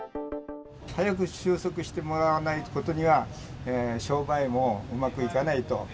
早く収束してもらわないことには、商売もうまくいかないと。